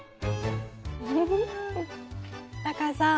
タカさん